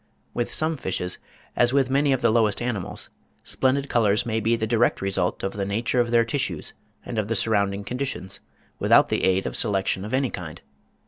With some fishes, as with many of the lowest animals, splendid colours may be the direct result of the nature of their tissues and of the surrounding conditions, without the aid of selection of any kind.